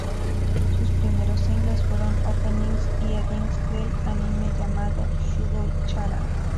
Sus primeros singles fueron openings y endings del anime llamado Shugo Chara!.